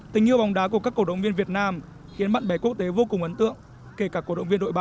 tình yêu bóng đá của các cổ động viên việt nam khiến bạn bè quốc tế vô cùng ấn tượng kể cả cổ động viên đội bạn